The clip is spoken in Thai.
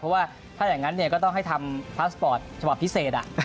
เพราะว่าถ้าอย่างนั้นก็ต้องให้ทำพาสปอร์ตฉบับพิเศษ